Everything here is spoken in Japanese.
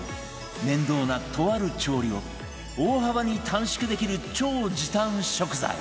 面倒なとある調理を大幅に短縮できる超時短食材